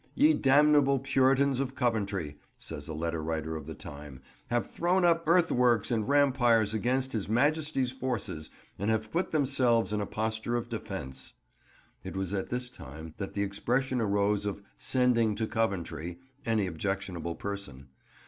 "Ye damnable puritans of Coventry," says a letter writer of the time, "have thrown up earthworkes and rampires against his Maiestie's forces, and have put themselves in a posture of defence." It was at this time that the expression arose of "sending to Coventry" any objectionable person.